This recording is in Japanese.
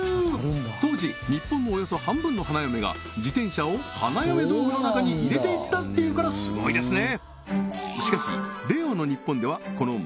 当時日本のおよそ半分の花嫁が自転車を花嫁道具の中に入れていったっていうからスゴいですね